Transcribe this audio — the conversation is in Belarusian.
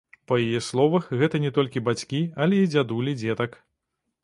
Па яе словах, гэта не толькі бацькі, але і дзядулі дзетак.